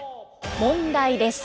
問題です。